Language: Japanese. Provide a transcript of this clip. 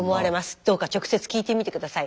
どうか直接聞いてみて下さい。